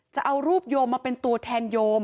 จะเอารูปโยมมาเป็นตัวแทนโยม